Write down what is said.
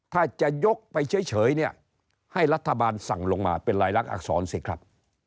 ถ้าจะยกไปเฉยเนี่ยให้รัฐบาลสั่งลงมาเป็นรายลักษณอักษรสิครับ